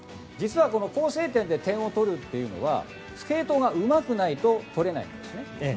実は構成点で点を取るというのはスケートがうまくないと取れないんです。